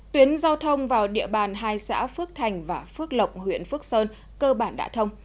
tuyến giao thông vào địa bàn hai xã phước thành và phước lộc huyện phước sơn cơ bản đã thông